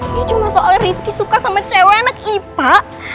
ini cuma soal rifki suka sama cewek anak ipa